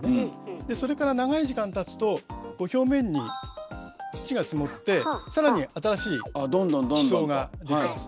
でそれから長い時間たつとこう表面に土が積もって更に新しい地層が出来ます。